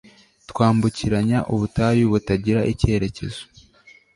twambukiranya ubutayu butagira icyerekezo